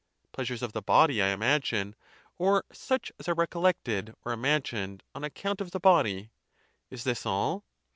Pleasures of the body, I imagine, or such as are recollected or imagined on account of the body. Is this all?